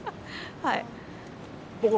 はい。